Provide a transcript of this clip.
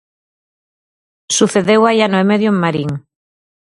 Sucedeu hai ano e medio en Marín.